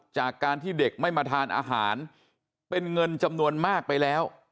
จากการที่เด็กไม่มาทานอาหารเป็นเงินจำนวนมากไปแล้ว